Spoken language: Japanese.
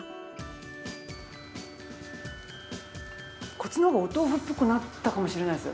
こっちの方がお豆腐っぽくなったかもしれないです。